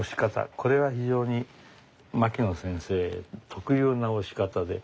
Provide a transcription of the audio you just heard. これは非常に牧野先生特有な押し方で。